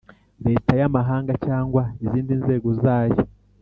Leta y’amahanga cyangwa izindi nzego zayo